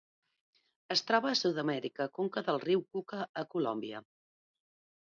Es troba a Sud-amèrica: conca del riu Cuca a Colòmbia.